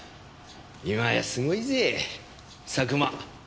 今やすごいぜ佐久間。